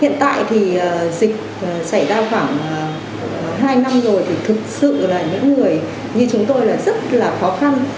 hiện tại thì dịch xảy ra khoảng hai năm rồi thì thực sự là những người như chúng tôi là rất là khó khăn